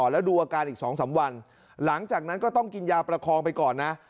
แล้วดูอาการอีก๒๓วันหลังจากนั้นก็ต้องกินยาประคองไปก่อนนะ